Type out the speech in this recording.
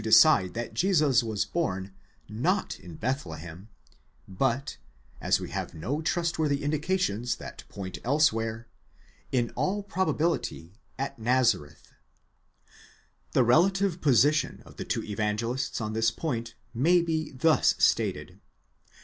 decide that Jesus was born, not in Bethlehem, but, as we have no trustworthy indications that point elsewhere, in all probability at Nazareth. The relative position of the two evangelists on this point may be thus stated.